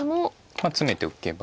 まあツメておけば。